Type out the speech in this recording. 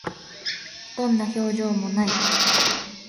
どんな表情も無い